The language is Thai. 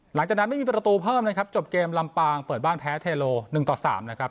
หลังจากนั้นไม่มีประตูเพิ่มนะครับจบเกมลำปางเปิดบ้านแพ้เทโล๑ต่อ๓นะครับ